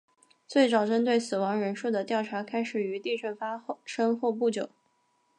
最早针对死亡人数的调查开始于地震发生后不久。